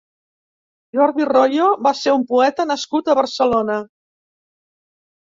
Jordi Royo va ser un poeta nascut a Barcelona.